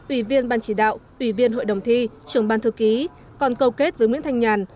ủy viên ban chỉ đạo ủy viên hội đồng thi trưởng ban thư ký còn câu kết với nguyễn thanh nhàn